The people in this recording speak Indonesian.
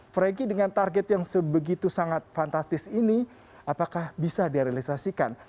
franky dengan target yang sebegitu sangat fantastis ini apakah bisa direalisasikan